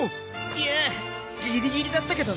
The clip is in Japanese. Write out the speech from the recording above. いやギリギリだったけどね。